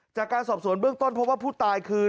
จากการสอบสวนเบื้องต้นเพราะว่าผู้ตายคือ